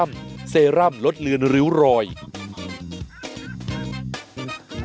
เบรกค่ะอืมเบรกก่อนค่ะ